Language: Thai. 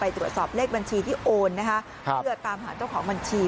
ตรวจสอบเลขบัญชีที่โอนนะคะเพื่อตามหาเจ้าของบัญชี